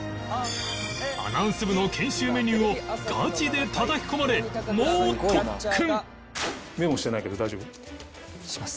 アナウンス部の研修メニューをガチでたたき込まれ猛特訓